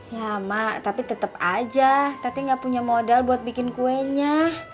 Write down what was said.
ya mak tapi tetep aja tati gak punya modal buat bikin kuenya